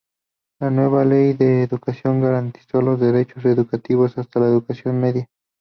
La nueva ley de educación garantizó los derechos educativos hasta la educación media.